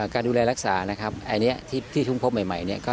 การดูแลรักษานะครับอันนี้ที่พบใหม่